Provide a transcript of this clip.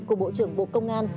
của bộ trưởng bộ công an